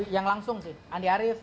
yang langsung sih andi arief